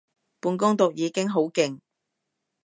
半工讀已經好勁